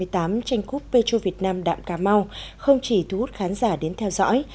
tranh quốc vê chô việt nam đạm cà mau không chỉ thu hút khán giả đến theo dõi